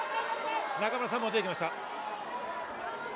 中村さんも出てきました。